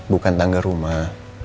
bukan tangga rumah